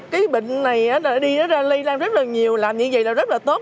cái bệnh này đi nó ra lây lan rất là nhiều làm như vậy là rất là tốt